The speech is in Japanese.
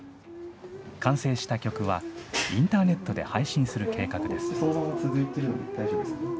完成した曲は、インターネットで配信する計画です。